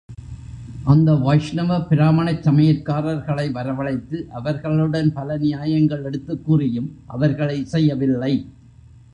அந்த வைஷ்ணவ பிராம்மணச் சமையற்காரர்களை வரவழைத்து, அவர்களுடன் பல நியாயங்கள் எடுத்துக் கூறியும் அவர்கள் இசையவில்லை.